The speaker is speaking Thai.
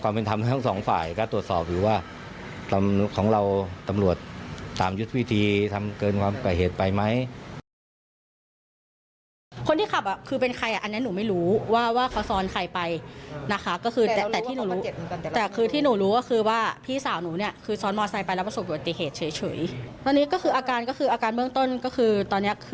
ทำให้ทั้งสองฝ่ายก็ตรวจสอบอยู่ว่าตำของเราตำรวจตามยุทธวิธีทำเกินความกว่าเหตุไปไหมคนที่ขับอ่ะคือเป็นใครอ่ะอันนี้หนูไม่รู้ว่าว่าเขาซ้อนใครไปนะคะก็คือแต่แต่ที่หนูรู้แต่คือที่หนูรู้ก็คือว่าพี่สาวหนูเนี่ยคือซ้อนมอไซค์ไปแล้วประสบอุบัติเหตุเฉยเฉยตอนนี้ก็คืออาการก็คืออาการเบื้องต้นก็คือตอนเนี้ยคือ